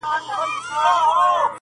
دلته هره تيږه کاڼئ بدخشان دی.!